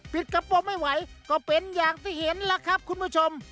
กระโปรงไม่ไหวก็เป็นอย่างที่เห็นล่ะครับคุณผู้ชม